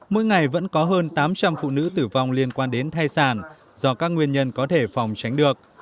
mỗi ngày vẫn có hơn tám trăm linh phụ nữ tử vong liên quan đến thai sản do các nguyên nhân có thể phòng tránh được